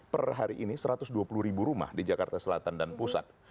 per hari ini satu ratus dua puluh ribu rumah di jakarta selatan dan pusat